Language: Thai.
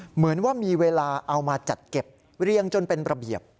เหมือนว่ามีเวลาเอามาจัดเก็บเรียงจนเป็นระเบียบ